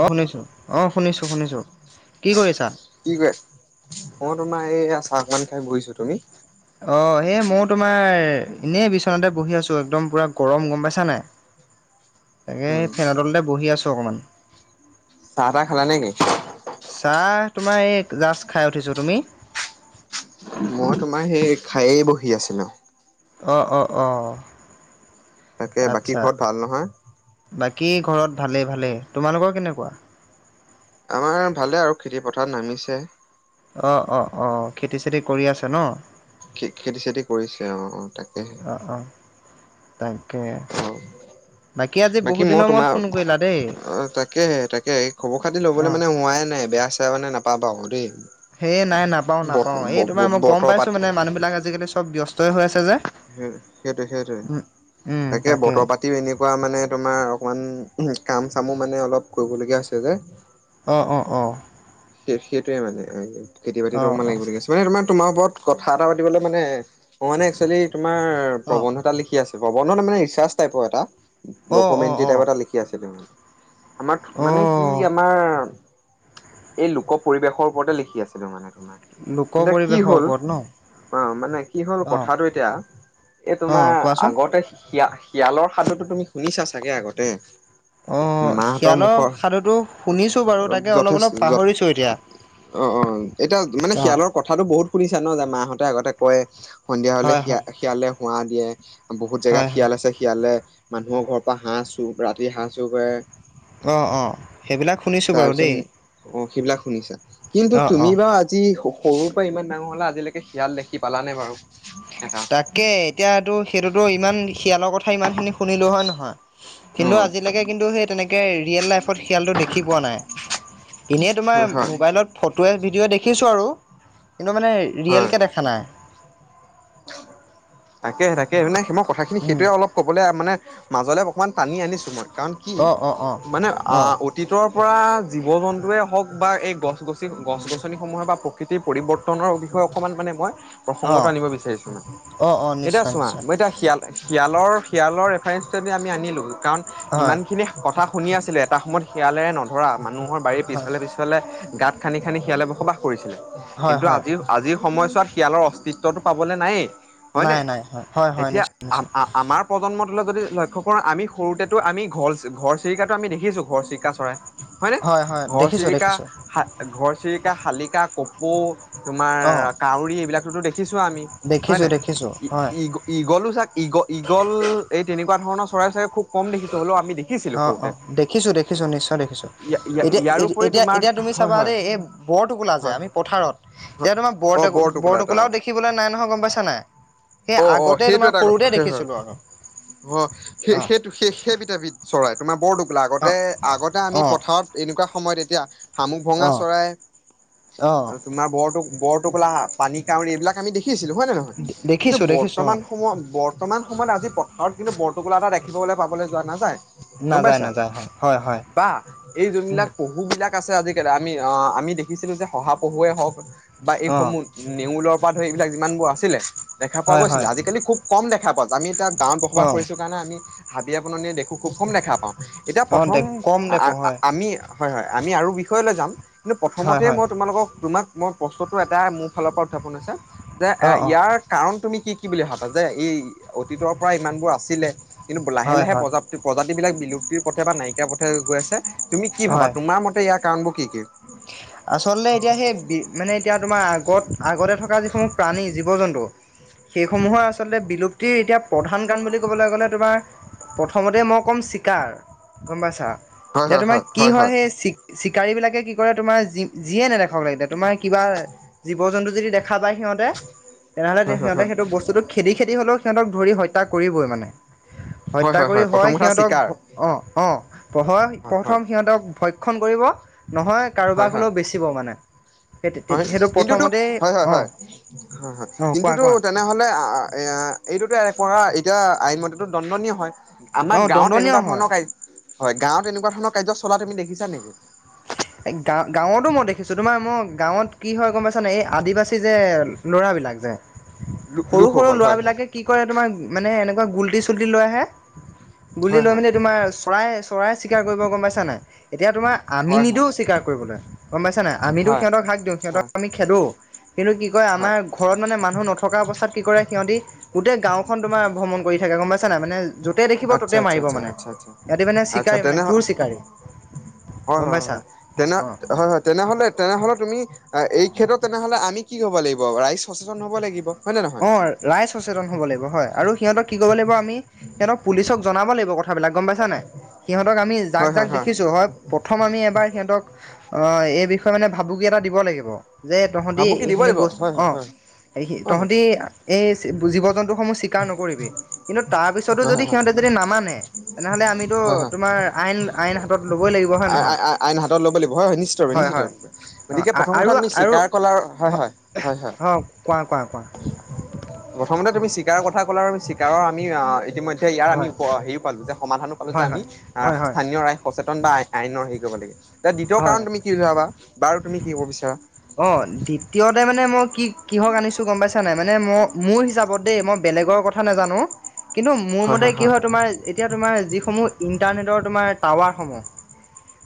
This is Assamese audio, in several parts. অঁ, শুনিছোঁ। অঁ, শুনিছোঁ, শুনিছোঁ। কি কৰিছা? কি কৰি আছা? মই তোমাৰ এইয়া চাহ অকমান খাই বহিছোঁ। তুমি? অ', সেই মইও তোমাৰ ইনেই বিচনাতে বহি আছোঁ। একদম পুৰা গৰম গম পাইছা নাই? তাকে উম, ফেনৰ তলতে বহি আছোঁ অকমান। চাহ-তাহ খালা নে কি? চাহ তোমাৰ এই জাষ্ট খাই উঠিছোঁ। তুমি? মই তোমাৰ সেই খাইয়েই বহি আছিলোঁ। অ', অ', অ'। তাকে, বাকী আচ্ছা ঘৰত ভাল নহয়? বাকী ঘৰত ভালেই, ভালেই। তোমালোকৰ কেনেকুৱা? আমাৰ ভালেই আৰু খেতিপথাৰত নামিছে। অ', অ', অ' খেতি-চেতি কৰি আছে ন? খে খেতি-চেতি কৰিছে অ', অ', অ তাকেহে। অ তাকে বাকী আজি বহুত দিনৰ মূৰত ফোন কৰিলা। দেই অ', তাকেহে তাকেহে এ খবৰ-খাতি ল'বলে অ মানে হোৱাই নাই বেয়া-চেয়া মানে নাপা পাবা আক' দে'। হে' নাই নাপাওঁ, নাপাওঁ। এই তোমাৰ মই গম বতৰ পাইছোঁ পাতি মানে মানুহবিলাক আজিকালি চব ব্যস্তই হৈ আছে যে। সেই সেইটোয়ে, সেইটোয়ে। উম, তাকে বতৰ পাত তিও এনেকুৱা মানে তোমাৰ অকমান কাম চামো মানে অলপ কৰিবলগীয়া হৈছে যে। অঁ, অঁ, অঁ। সে-সেইটোৱে মানে খেতি-বাতিতো অ', অকমান অ', লাগিব লগীয়া হৈছে। মানে তোমাৰ, তোমাৰ ওপৰত কথা এটা পাতিবলে মানে, মই মানে এক্সুৱেলি তোমাৰ অ', প্ৰবন্ধ এটা লিখি আছোঁ। প্ৰৱন্ধ ন মানে ৰিচাৰ্ছ টাইপৰ এটা, অ', অ', ডকুমেণ্টেৰী টাইপ অ', এটা লিখি আছিলো মানে। আমাৰ মানে কি অ', আমাৰ এই লোক পৰিৱেশৰ ওপৰতে লিখি আছিলো মানে তোমাৰ। লোক এতিয়া কি পৰিৱেশৰ হ'ল ওপৰত ন? অ, মানে কি হ'ল অ', কথাটো এতিয়া এই তোমাৰ অ', কোৱাচোন? আগতে শিয়া শিয়ালৰ সাধুটো তুমি শুনিছা চাগে আগতে? অ', মাহঁতৰ শিয়ালৰ মুখৰ সাধুটো যথেষ্ট যথে ছো এতিয়া। অ অ। এতিয়া মানে অ', শিয়ালৰ কথাটো বহুত শুনিছা ন যে মাহঁতে আগতে কয়। সন্ধিয়া হ'লে হয়, শিয়া হয়, শিয়ালে হোৱা দিয়ে, বহুত জেগাত হয়, হয়, শিয়াল আছে শিয়ালে মানুহৰ ঘৰৰ পৰা হাঁহ চোৰ ৰাতি হাঁহ চোৰ কৰে, অ অ। সেইবিলাক শুনিছো। তাৰপিছত অ, সেইবিলাক শুনিছা। কিন্তু অ', তুমি অ', বাও আজি সৰুৰ পৰা ইমান ডাঙৰ হ'লা আজিলেকে শিয়াল দেখি পালানে বাৰু? এটা তাকে। এতিয়া তোৰ সেইটোতো ইমান শিয়ালৰ কথা ইমানখিনি শুনিলো হয় নহয়? অ কিন্তু আজিলৈকে কিন্তু সেই তেনেকে ৰিয়েল লাইফত শিয়ালটো দেখি পোৱা নাই। ইনেই তোমাৰ হয় মোবাইলত ফটোৱে, ভিডিঅ'য়ে দেখিছো আৰু কিন্তু মানে হয় ৰিয়েলকে দেখা নাই। তাকেহে তাকেহে। মানে মই কথাখিনি উম সেইটোৱে অলপ ক'বলে মানে মাজলে অকমান টানি আনিছো মই কাৰণ কি? অ অ অ মানে আ অ অতীতৰ পৰা জীৱ-জন্তুৱেই হওঁক বা এই গছ-গছি গছ-গছনিসমূহে বা প্ৰকৃতিৰ পৰিৱৰ্তনৰ বিষয়ে অকমান মানে মই অ প্ৰসংগটো আনিব বিচাৰিছো মানে। অ অ এতিয়া নিশ্চয় চোৱা নিশ্চয় মই এতিয়া শিয়াল শিয়ালৰ শিয়ালৰ ৰেফাৰেঞ্চটোৱেদি আমি আনিলো কাৰণ হয় ইমানখিনি কথা শুনি আছিলো। এটা সময়ত শিয়ালেৰে নধৰা মানুহৰ বাৰীৰ হয় পিছফালে পিছ ফালে গাঁত খান্দি খান্দি শিয়ালে বসবাস কৰিছিলে। হয় কিন্তু হয় আজিৰ আজিৰ সময়ছোৱাত শিয়ালৰ অস্তিত্বটো পাবলে নায়েই হয়নে? নাই নাই হয় হয় হয় এতিয়া নিশ্চয় নিশ্চয় আমাৰ প্ৰজন্মটোলৈ যদি লক্ষ্য কৰো আমি সৰুতেটো আমি ঘৰ ঘৰচিৰিকাটো আমি দেখিছো ঘৰচিৰিকা চৰাই। হয়নে? হয় হয় দেখিছো ঘৰচিৰিকা, দেখিছো হাত ঘৰচিৰিকা, শালিকা, কপৌ তোমাৰ অ কাউৰী এইবিলাকটোটো দেখিছো ছো আমি। দেখিছো হয়নে? দেখিছো হয় ঈগ ঈগলো চাগ ঈগ ঈগল এই তেনেকুৱা ধৰণৰ চৰাই চাগে খুব কম দেখিছোঁ হ'লেও আমি দেখিছিলোঁ অ অ, সৰুতে দেখিছো দেখিছো নিশ্চয় দেখিছো। এতিয়া ইয়াৰোপৰি এতিয়া তোমাৰ এতিয়া তুমি হয় চাবা হয় দেই এই বৰটোকোলা যে হয় আমি পথাৰত হয় এতিয়া তোমাৰ বৰ অ বৰটোকোলা এটা বৰটোকোলাও দেখ দেখিবলৈ নাই নহয় গম পাইছা নাই। সেই অ অ, আগতে সেইটো তোমাৰ এটা ক সৰুতে হয় হয় দেখিছিলো আৰু অ সেই অ সেই সেই সেইবিধ এবিধ চৰাই তোমাৰ বৰটোকোলা। অ আগতে আগতে আমি অ পথাৰত এনেকুৱা সময়ত এতিয়া শামুক ভঙা অ চৰাই অ তোমাৰ বৰটো বৰটোকোলা, পানী কাউৰি এইবিলাক আমি দেখিছিলো হয় নে নহয় কিন্তু দেখিছো দেখিছো অ বৰ্তমান সময়ত বৰ্ত বৰ্তমান সময়ত আজি পথাৰত কিন্তু বৰটোকোলা এটা দেখিবলৈ পাবলৈ যোৱা নাযায়। গম নাযায় পাইছা? নাযায় হয় হয় হয় বা এই যোনবিলাক প পহুবিলাক আছে আজিকালি আমি আমি দেখিছিলো যে শহাপহুৱে হওঁক বা অ এইসমূহ নেউলৰ পৰা ধৰি এইবিলাক যিমানবোৰ আছিলে দেখা পোৱা হয় গৈছিলে হয় আজিকালি খুব কম দেখা পোৱা যায়। আমি এতিয়া গাঁৱত অ বসবাস কৰিছো কাৰণে আমি হাবিয়ে-বননিয়ে দেখো খুব কম দেখা পাওঁ। এতিয়া অ প্ৰথম দে কম আ দেখো হয় আমি হয় হয় আমি আৰু বিষয়লৈ যাম। কিন্তু হয় প্ৰথমতে হয় মই তোমালোকক তোমাক মই প্ৰশ্নটো এটা, মোৰ ফালৰ পৰা উত্থাপন হৈছে। যে অ এ অ ইয়াৰ কাৰণ তুমি কি কি বুলি ভাবা যে, এই অতীতৰ পৰা ইমানবোৰ আছিলে। কিন্তু লাহে হয় লাহে হয় প্ৰজাপ্তি প্ৰজাতি বিলাক বিলুপ্তিৰ পথে বা নাইকিয়াৰ পথে গৈ আছে তুমি কি হয় ভাবা তোমাৰ মতে ইয়াৰ কাৰণবোৰ কি কি? আচলতে এতিয়া সেই বি মানে এতিয়া তোমাৰ আগত, আগতে থকা যিসমূহ প্ৰাণী, জীৱ-জন্তু সেইসমূহৰ আচলতে বিলুপ্তিৰ এতিয়া প্ৰধান কাম বুলি ক'বলৈ গ'লে তোমাৰ প্ৰথমতে মই ক'ম চিকাৰ, গম পাইছা। এতিয়া তোমাৰ কি হয় সেই চিকা চিকাৰী বিলাকে কি কৰে তোমাৰি যি, যিয়ে নেদেখক লাগেলে, তোমাৰ কিবা জীৱ-জন্তু যদি দেখা দেখা পায় সিহঁতে, তেনেহ'লে হয় হয় সিহঁতে হয় সেইটো বস্তুটো খেদি, খেদি হ'লেও সিহঁতক ধৰি হত্যা কৰিবই মানে। হয় হত্যা কৰি প্ৰথম হয় কথা সিহঁতক চিকাৰ আহ, আহ পহয়, হয় প্ৰথম হয় সিহঁতক ভক্ষ ণ কৰিব, নহয় হয় কাৰোবাক হয় হ'লেও বেচিব মানে। সেই হয় সেইটো কিন্তুটো, প্ৰথমতেই হয়, হয়, অঁ হয়। হয়, হয় অঁ কোৱা কিন্তুটো কোৱা তাত তেনেহ'লে আ আ এয়া, এইটোতো কৰা এতিয়া আইন মতেটো দণ্ডনীয় হয়। আমাৰ অঁ গাঁৱত দণ্ডনীয় তেনেকুৱা হয় ধৰণৰ কাৰ, গাঁৱত তেনেকুৱা ধৰণৰ কাৰ্য চলা তুমি নেকি? এই গাঁ-গাঁৱতো মই দেখিছোঁ তোমাৰ মই গাঁৱত কি হয় গম পাইছা নাই, এই আদিবাসী যে ল'ৰাবিলাক যে সৰু, সৰু লোকসকল হয় হয় ল'ৰাবিলাকে কি কৰে তোমাৰ, মানে এনেকুৱা গুলটি চুলটি লৈ আহে, গুলটি হয় লৈ হয় মেলি তোমাৰ চ চৰাই, চৰাই চিকাৰ কৰিব গম পাইছ নাই। এতিয়া তোমাৰ আমি হয় হয় নিদিওঁ চিকাৰ কৰিবলৈ গম পাইছা নাই। আমিতো হয় সিহঁতক হাক দিওঁ, সিহঁতক হয় আমি খেদোঁ, কিন্তু কি কয় হয় আমাৰ ঘৰত মানে মানুহ নথকা অৱস্থাত কি কৰে সিহঁতি, গোটেই গাঁওখন তোমাৰ ভ্ৰমণ কৰি থাকে গম পাইছে নাই, মানে য'তেই দেখিব আচ্ছা ত'তে আচ্ছা মাৰিব আচ্ছা মানে, আচ্ছা আচ্ছা ইহঁতি মানে আচ্ছা চিকাৰী মানে, তেনেহ ঘূৰ চিকাৰী। হয়, গম হয়, হয়, পাইছা হয় তেনে অ হয়, হয়। তেনেহ'লে, তেনেহ'লে তুমি এই ক্ষেত্ৰত তেনেহ'লে আমি কি হ'ব লাগিব, ৰাইজ সচেতন হ'ব লাগিব। হয় নে নহয় অ', ৰাই সচেতন হ'ব লাগিব হয়। আৰু সিহঁতক কি ক'ব লাগিব আমি, সিহঁতক পুলিচক জনাব লাগিব কথা বিলাক গম পাইছা নাই, সিহঁতক আমি যাক হয় যাক হয় দেখিছোঁ, হয় প্ৰথম আমি এবাৰ সিহঁতক, অ', এই বিষয়ে মানে ভাবুকি এটা দিব লাগিব। যে, তহঁতি ভাবুকি দিব এইখিনি লাগিব বস্তু, হয় হয় অ', হয় এইখিনি হয় তহঁতি এই জীৱ-জন্তুসমূহ চিক চিকাৰ নকৰিবি, কিন্তু তাৰ পিছতো হয় যদি হয় সিহঁতে যদি নামানে, তেনেহ'লে আমিতো হয় হয় হয় তোমাৰ আইন, আইন হাতত ল'বই লাগিব হয় নহয়? আইন হাতত ল'ব লাগিব হয় হয় নিশ্চিতভাৱে নিশ্চিতভাৱে অ', গতিকে প্ৰথম কথা আ-আৰু, তুমি আৰু, স্বীকাৰ ক'লা হয় অ', হয় হয় হয় অ', কোৱা, কোৱা, কোৱা। প্ৰথমতে তুমি চিকাৰৰ কথা ক'লা, আৰু চিকাৰৰ আমি আ ইতিমধ্যে এতিয়া ইয়াৰ আমি হয় উপ, হেৰিও পালো যে, সমাধানো পালো যে হয় হয় আমি, হয় আ হয় স্থানীয় ৰাইজ সচেতন বা আ-আইনৰ হেৰি কৰিব লাগে, এতিয়া দ্বিতীয় হয় কাৰণ তুমি উলিয়াবা, বাৰু তুমি কি ক'ব বিচাৰা। অ', দ্বিতীয়তে, মানে মই কি কিহক আনিছো গম পাইছা নে নাই, মানে মই মোৰ হিচাপত দেই, মই বেলেগৰ কথা নাজানো, কিন্তু মোৰ মতে কি হয়, তোমাৰ এতিয়া তোমাৰ যিসমূহ ইণ্টাৰনেটৰ তোমাৰ টাৱাৰসমূহ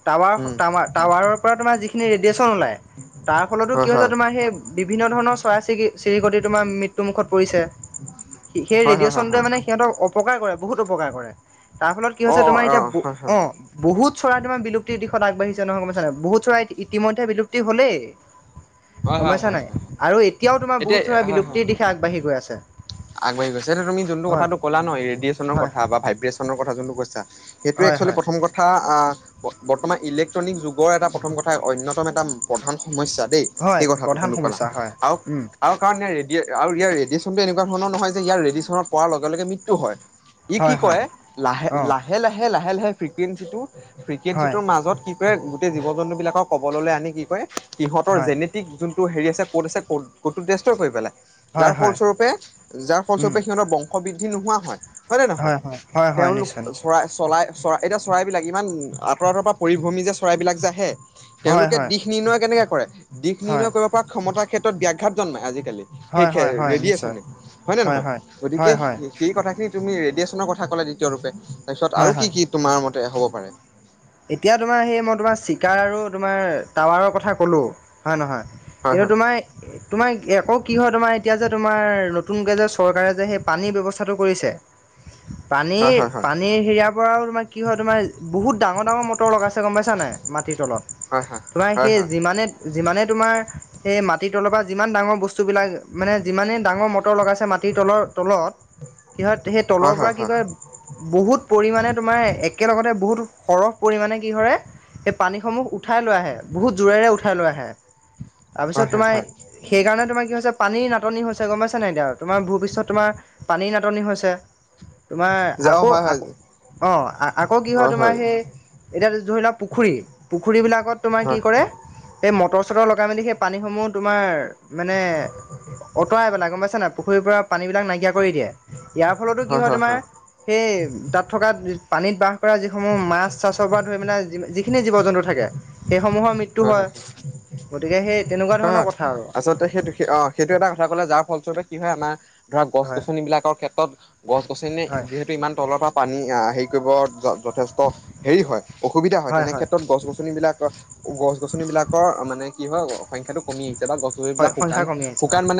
টাৱাৰ, উম টাৱ টাৱাৰৰ পৰা তোমাৰ যিখিনি ৰেডিয়েচন ওলাই, তাৰ ফলতো কি হয় হৈছে হয় তোমাৰ সেই বিভিন্ন ধৰণৰ চৰাই-চিৰিক চিৰিকটি, তোমাৰ মৃত্যুমুখত পৰিছে। সে-সেই হয় হয় হয় ৰেডিয়েচনটোৱে হয় মানে সিহঁতক অপকাৰ কৰে, বহুত অপকাৰ কৰে। তাৰ ফলত কি অ হৈছে অ তোমাৰ অ এতিয়া, বু হয় হয় অহ বহুত চৰাই তোমাৰ বিলপ্তিৰ দিশত আগবাঢ়িছে নহয় গম পাইছা নে নাই, বহু চৰাই ইতিমধ্যে বিলপ্তি হ'লেই। হয় গম হয় পাইছা নে হয় নাই, হয় আৰু এতিয়াও, তোমাৰ এতিয়া বহুত চৰাই হয় হয় বিলুপ্তিৰ দিশে আগবাঢ়ি গৈ আছে। আগবাঢ়ি গৈছে, এইটো তুমি যোনটো হয় কথাটো ক'লা ন, ৰেডিয়েচনৰ হয় কথা হয় বা ভাইব্ৰে্চনৰ কথা, যোনটো কৈছা। সেইটোৱে হয় এক্সোৱেলি হয় প্ৰথম কথা, আ বৰ্তমান, ইলেক্ট্ৰনিক যুগৰ এটা প্ৰথম কথা, অন্যতম এটা প্ৰধান সমস্যা দেই। হয় সেই কথাটো প্ৰধান যোনটো কলা সমস্যা হয় আউ উম আৰু কাৰণ ইয়াৰ ৰেডিয়ে, আৰু ইয়াৰ ৰেডিয়েচনটো এনেকুৱা ধৰণৰ নহয়, যে ইয়াৰ ৰেডিচনত পৰাৰ লগে লগে মৃত্যু হয়। ই কি হয় হয় কৰে, লাহে, অঁ লাহে-লাহে লাহে-লাহে ফ্ৰিকুৱেঞ্চিটো, হয় ফ্ৰিকুৱেঞ্চিটোৰ মাজত কি গোটেই জীৱ জন্তু বিলাকৰ কবললৈ আনি কি কৰে, সিহঁতৰ হয় জেনেটিক যোন টোৰ সেৰি আছে কৌড আছে কৌড কৌডটো ডেচট্ৰই কৰি পেলাই যাৰ হয় ফল হয় স্বৰূপে যাৰ ফল স্বৰূপ উম স সিহতৰ বংশ বৃদ্ধি নোহোৱা হয়, হয় নে নহয়, হয় হয় হয় তেওঁলোক নিশ্চয় নিশ্চয় চৰাই চলাই, চৰাই, এতিয়া চৰাইবিলাক ইমান আঁতৰ আতৰ পা পৰিভ্ৰমি যে চৰাইবিলাক যে আহে, হয় তেওঁলোকে হয় দিশ দিশ নিৰ্ণয় কেনেকে কৰে? দিশ নিৰ্ণয় হয় কৰিব পৰা ক্ষমতাৰ ক্ষেত্ৰত ব্যঘাত জন্মাই, আজিকালি। সেই হয় ক্ষে হয় হয় নিশ্চয় ৰেডিয়েচনে, হয় নে নহয়, গতিকে সেই কথাখিনি, তুমি ৰেডিয়েচনৰ কথা ক'লা দ্বিতীয়ৰূপে, তাৰপিছত হয় আৰু কি হয় কি তোমাৰ মতে হ'ব পাৰে? এতিয়া, তোমাৰ সেই মই, তোমাৰ চিকাৰ আৰু তোমাৰ টাৱাৰৰ কথা ক'লোঁ, হয় নহয় হয় কিন্তু, হয় তোমাৰ তোমাৰ আকৌ কি হয়, তোমাৰ এতিয়া, যে তোমাৰ নতুনকৈ যে চৰকাৰে যে সেই পানীৰ ব্যৱস্থাটো কৰিছে হয় পানীৰ, হয় পানীৰ হেয়াৰ পৰাও তোমাৰ কি হয়, তোমাৰ বহুত ডাঙৰ ডাঙৰ মটৰ লগাইছে, গম পাইছা নাই মাটিৰ তলত, হয় হয় তোমাৰ হয় হয় সেই যিমানে যিমানে তোমাৰ এই মাটিৰ তলৰ পৰা যিমান ডাঙৰ বস্তুবিলাক, মানে যিমানেই ডাঙৰ মটৰ লগাইছে মাট মাটিৰ তলৰ তলত কি হয় সেই তলৰ হয় হয় হয় হয় পৰা কি কৰে বহুত পৰিমাণে তোমাৰ একেলগতে বহুত সৰহ পৰিমাণে কি কৰে সেই পানীসমূহ উঠাই লৈ আহে, বহুত জোৰেৰে উঠাই লৈ আহে, তাৰপিছত হয় হয় তোমাৰ হয় সেইকাৰণে, তোমাৰ কি হৈছে পানীৰ নাটনি হৈছে, গম পাইছা নাই এতিয়া তোমাৰ ভৱিষ্যত তোমাৰ পানীৰ নাটনি হৈছে, তোমাৰ যে অ আকৌ, হয় হয় আকৌ অ', আ আকৌ কি হয় তোমাৰ এ, এতিয়া ধৰি লোৱা পুখুৰী, পুখুৰী বিলাকত তোমাৰ হয় কি হয় কৰে সেই মটৰ চটৰ লগাই মেলি সেই পানীসমূহ তোমাৰ, মানে অঁতৰাই পেলায়, গম পাইছা নাই, পুখুৰীৰ পৰা পানীবিলাক নাইকিয়া কৰি দিয়ে, ইয়াৰ ফলতো কি হয় তোমাৰ সেই, তাত থকা পানীত বাস কৰা সমূহ মাছ চাছৰ পৰা ধৰি পেনাই, যিখিনি জীৱ জন্তু থাকে সেইসমূহৰ মৃত্যু হয় গতিকে সেই তেনেকুৱা ধৰণৰ কথা আৰু যতে সেটো অ সেইটো এটা কথা কলা যাৰ ফলস্বৰূপে কি হয় আমাৰ ধৰা গছ হয় গছনিবলাকৰ ক্ষেত্ৰত গছ গছনি হয় যিহেতু ইমান তলৰ পা পানী আ হেৰি কৰিব যথেষ্ট হেৰি হয় অসুবিধা হয় তেনে ক্ষেত্ৰত গছ গছনিবিলাক গছ গছনিবলাকৰ মানে কি হয় অ সংখাটো কমি আহিছে বা গছ হয় বিলাক শুকান সংখ্যা কমি আহিছে হয় শুকান মান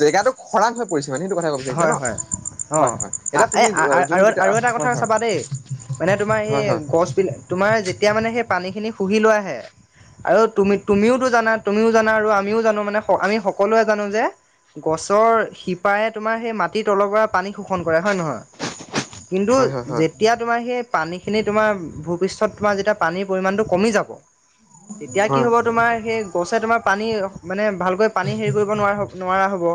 জেগাটো খৰাং হৈ পৰিছে মানে ন সেইটো কথা কব বিছাৰিছে হয় ন হয় হয় অ' হয় এতিয়া এই তুমি আৰু যোনগিটা আৰু এটা কথা হয় হয় চাবা দেই মানে তোমাৰ সেই হয় হয় গছ বিলা তোমাৰ যেতিয়া মানে সেই পানীখিনি শুহি লৈ আহে আৰু তুমি তুমিওতো জানা তুমিও জানা আৰু আমিও জানো মানে আমি সকলোৱে জানো যে গছৰ শিপাই তোমাৰ সেই মাটিৰ তলৰ পৰা পানী শোষণ কৰে হয় নহয় কিন্তু হয় হয় হয় যেত তিয়া তোমাৰ সেই পানীখিনি তোমাৰ ভূপৃষ্ঠত তোমাৰ যেতিয়া পানীৰ পৰিমাণটো কমি যাব তেতিয়া কি হয় হ'ব তোমাৰ সেই গছে তোমাৰ পানী মানে ভালকৈ পানী হেৰি কৰিব হ'ব নোৱাৰ নোৱাৰা হ'ব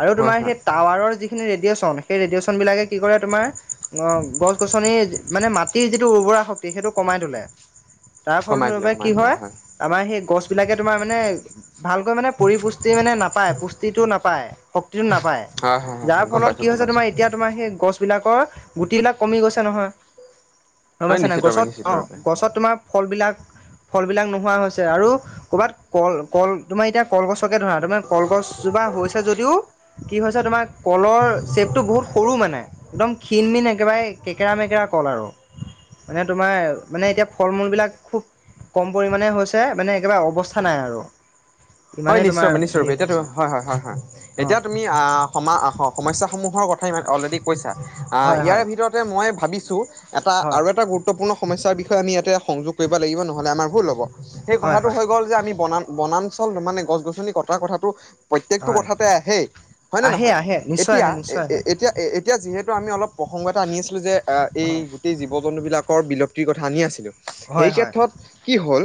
আৰু হয় তোমাৰ হয় সেই টাৱাৰৰ যিখিনি ৰেডিয়েচন সেই ৰেডিয়েচন বিলাকে কি কৰে তোমাৰ অ', গছ-গছনি মানে মাটিৰ যিটো উৰ্বৰা শক্তি সেইটো কমাই তোলে। তাৰ কমাই দিলে ফলস্বৰূপে কি কমাই দিলে হয়, আমাৰ সেই গছ বিলাকে তোমাৰ মানে ভালকৈ মানে পৰিপুষ্টি মানে নাপায়, পুষ্টিটো নাপায়। নাপায়, হয় হয় হয় যাৰ গম ফলত পাইছো কি গম হৈছে পাইছো তোমাৰ এতিয়া তোমাৰ আমাৰ সেই গছ বিলাকৰ গুটি বিলাক কমি গৈছে নহয়। গম হয় পাইছা নাই, নিশ্চিতৰূপে গছত অ', নিশ্চিতৰূপে গছত তোমাৰ ফলবিলাক, ফলবিলাক নোহোৱা হৈছে আৰু ক'ৰবাত কল কল তোমাৰ এতিয়া কলগছকে ধৰা, তোমাৰ এতিয়া কলগছজোপা হৈছে যদিও কি হৈছে তোমাৰ, কলৰ শ্বেপটো বহুত সৰু মানে। একদম ক্ষীণ-মিন একেবাৰে কেকেৰা-মেকেৰা কল আৰু। মানে তোমাৰ মানে, এতিয়া ফল-মূল বিলাক খুব কম পৰিম পৰিমানে হৈছে, মানে একেবাৰে অৱস্থা নাই আৰু। হয় ইমানেই তোমাৰ নিশ্চয়ৰূপে, হেৰি নিশ্চয়ৰূপে, এতিয়া হৈছে ধ- হয়, হয়, হয়, অ এতিয়া তুমি আ, সমা- আ, সমস্যাসমূহৰ কথা ইমান, অলৰেডি কৈছা, হয় হয় ইয়াৰে ভিতৰত মই ভাবিছো। এটা হয় আৰু এটা গুৰুত্বপূৰ্ণ সমস্যাৰ বিষয়ে আমি ইয়াতে সংযোগ কৰিব লাগিব, নহ'লে আমাৰ ভুল হ'ব। সেই হয় কথাটো হয় হৈ গ'ল যে আমি বনা- বনাঞ্চল মানে গছ-গছনি কটাৰ কথাটো প্ৰত্যেকটো হয় কথাতেই আহেই হয় নে আহে নহয়? আহে নিশ্চয় এতিয়া, আহে নিশ্চয় আহে এতিয়া এ, এতিয়া যিহেতু আমি অলপ প্ৰসংগ এটা আনি আছিলো, যে এই হয় এই জীৱ-জন্তুবিলাক বিলপ্তিৰ কথা আনি আছিলোঁ। এই হয় হয় ক্ষেত্ৰত কি হ'ল,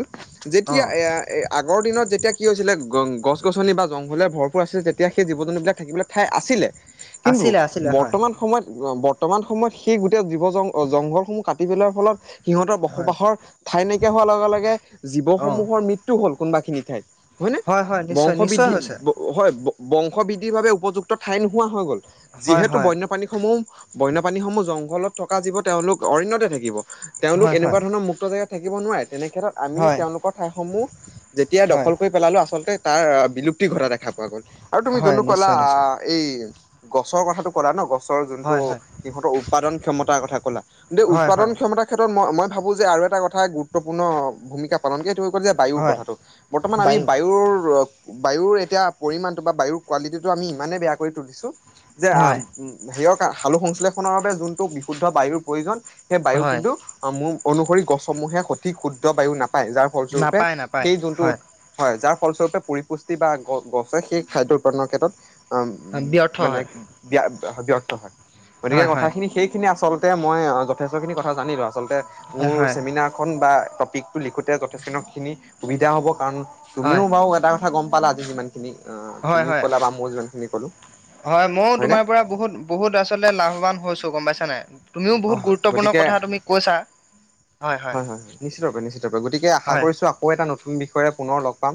অ যেতিয়া এ-আগৰ দিনত যেতিয়া কি হৈছিলে গ-গছ-গছনি বা জংঘলে ভৰপূৰ আছিলে, তেতিয়া সেই জীৱ-জন্তুবিলাক থাকিবলৈ ঠাই আছিলে। কিন্তু আছিলে আছিলে হয় বৰ্তমান সময়ত বৰ্তমান সময়ত সেই গোটেই জীৱ জং- জংঘলসমূহ কাটি পেলাৰ ফলত। সিহঁতৰ হয় বসবাসৰ ঠাই নাইকিয়া হোৱাৰ লগে লগে অ' জীৱসমূহৰ মৃত্যু হ'ল কোনোবাখিনি ঠাইত। হয় নে, নিশ্চয় বংশ নিশ্চয় বৃদ্ধি হৈছে ব হয়, ব-বংশবৃদ্ধিৰ বাবে উপযুক্ত ঠাই নোহোৱা হৈ গ'ল। হয় যিহেতু ব হয় পানী সমূহ, বন্য প্ৰানীসমূহ জংঘলত থকা জীৱ, তেওঁলোক অৰণ্যতে থাকিব। তেওঁলোক হয় হয় এনেকুৱা ধৰণৰ মুক্ত জেগাত থাকিব নোৱাৰে। তেনেক্ষেত্ৰত আমি হয় তেওঁলোকৰ ঠাইসমূহ যেতিয়া হয় দখল কৰি পেলালো, আচলতে তাৰ বিলুপ্তি ঘটা দেখা পোৱা গ'ল আৰু তুমি হয় যোনটো ক'লা নিশ্চয় আ নিশ্চয় এই গছৰ কথাটো কলা ন, গছৰ যোনটো হয় হয় সিহঁতৰ উৎপাদন ক্ষমতাৰ কথা কলা। দেই, হয় উৎপাদন হয় ক্ষমতাৰ ক্ষেত্ৰত মই, মই ভাবোঁ আৰু এটা কথাই গুৰুত্বপূৰ্ণ ভূমিকা পালনকৈ এইটো তুমি কলা যে বায়ুৰ হয় কথাটো, বৰ্তমান আমি বায়ু তোৰ বায়ুৰ এতিয়া পৰিমানটো বা বায়ুৰ কোৱালিটিটো আমি ইমানে বেয়া কৰি তুলিছো। যে আ, হয় হেয়ক সালোক সংশ্লেষণৰ বাবে যোনটো বিশুদ্ধ বায়ুৰ প্ৰয়োজন। সেই বায়ু হয় কিন্তু মোৰ অনুসৰি গছসমূহে সঠিক শুদ্ধ বায়ু নাপায়, যাৰ স্বৰূপে নাপায় নাপায় সেই যোনটো হয় হয়, যাৰ ফলস্বৰূপে পৰিপুষ্টি বা গ-গছে সেই খাদ্য উৎপাদনৰ ক্ষেত্ৰত উম, ব্যৰ্থ মানে হয় ব্য-ব্যৰ্থ হয়, গতিকে হয় হয় কথাখিনি সেইখিনি আচল। তে মই যথেষ্টখিনি কথা জানলো, আচলতে মোৰ হয় চেমিনাৰ খন বা টপিকটো লিখোতে যথেষ্ট খিনি সুবিধা হ'ব কাৰণ, হয় তুমিও বাৰু এটা কথা গম পালা, আজি যিমান খিনি অ' হয় তুমিও হয় ক'লা বা মই যিমান খিনি ক'লো। হয়, ময়ো তোমাৰ পৰা বহুত বহুত আচলতে লাভবান হৈছো গম পাইছা নাই। তুমিও হয় বহুত হয় গুৰুত্বপূৰ্ণ গতিকে কথা তুমি কৈছা। হয়, হয়, হয়, নিশ্চিতৰূপে, নিশ্চিতৰূপে, গতিকে আশা হয় কৰিছো আকৌ এটা নতুন বিষয়েৰে পুনৰ লগ পাম।